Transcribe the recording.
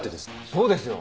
そうですよ。